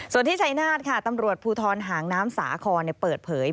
ส่วนที่ชัยนาธค่ะตำรวจภูทรหางน้ำสาครเปิดเผย